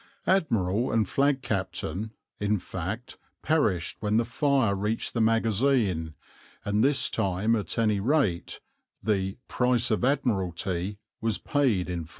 Admiral and flag captain, in fact, perished when the fire reached the magazine, and this time at any rate the "price of Admiralty" was paid in full.